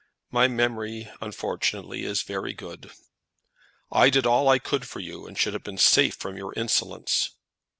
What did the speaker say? My memory, unfortunately, is very good." "I did all I could for you, and should have been safe from your insolence."